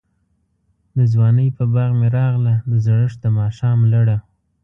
دځوانۍپه باغ می راغله، دزړښت دماښام لړه